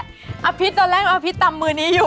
เชฟแม่อภิษฐ์ตอนแรกอภิษฐ์ตำมือนี้อยู่